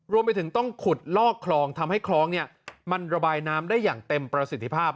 รวมไปถึงต้องขุดลอกคลองทำให้คลองเนี่ยมันระบายน้ำได้อย่างเต็มประสิทธิภาพ